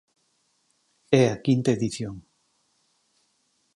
É a quinta edición.